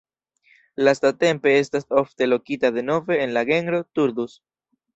Lastatempe estas ofte lokita denove en la genro "Turdus".